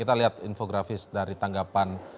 kita lihat infografis dari tanggapan